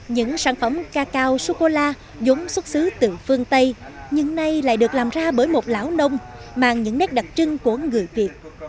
những sản phẩm cacao sô cô la giống xuất xứ từ phương tây nhưng nay lại được làm ra bởi một lão nông mang những nét đặc trưng của người việt